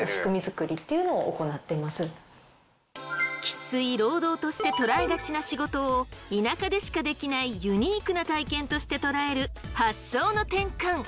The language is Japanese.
きつい労働として捉えがちな仕事を田舎でしかできないユニークな体験として捉える発想の転換！